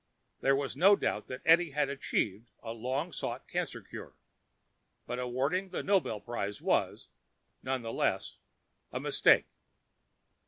There was no doubt that Edie had achieved the long sought cancer cure ... but awarding the Nobel Prize was, nonetheless, a mistake